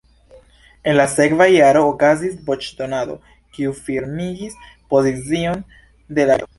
En la sekva jaro okazis voĉdonado, kiu firmigis pozicion de la kabineto.